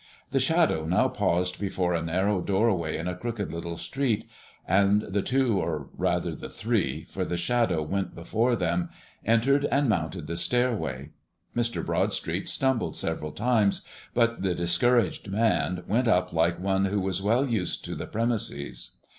The Shadow now paused before a narrow doorway in a crooked little street, and the two, or rather the three, for the Shadow went before them, entered and mounted the stairway. Mr. Broadstreet stumbled several times, but the Discouraged Man went up like one who was well used to the premises.